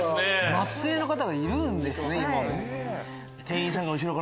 末裔の方がいるんですね。